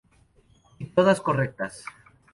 Y todas correctas.